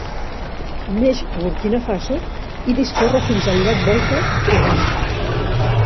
Neix a Burkina Faso i discorre fins al llac Volta, a Ghana.